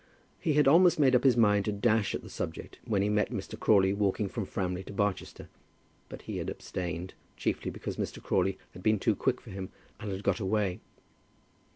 He had almost made up his mind to dash at the subject when he met Mr. Crawley walking through Framley to Barchester, but he had abstained, chiefly because Mr. Crawley had been too quick for him, and had got away.